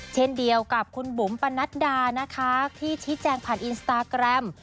เช่นเดียวกับคุณบุ๋มปนัดดานะคะที่ชี้แจงผ่านอินสตาแกรม